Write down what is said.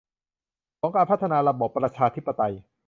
ของการพัฒนาระบอบประชาธิปไตย